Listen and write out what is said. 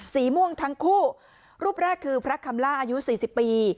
สีม่วงทั้งคู่รูปแรกคือพระคำล่าอายุ๔๐ปี